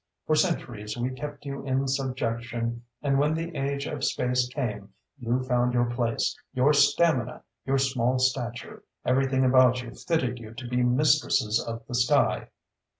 For centuries we kept you in subjection and when the Age of Space came, you found your place. Your stamina, your small stature, everything about you fitted you to be mistresses of the sky....